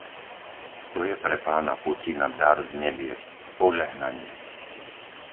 To je pre pána Putina dar z nebies, požehnanie.